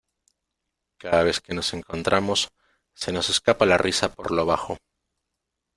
Cada vez que nos encontramos, se nos escapa la risa por lo bajo.